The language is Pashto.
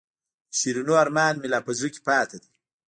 د شیرینو ارمان مې لا په زړه کې پاتې دی.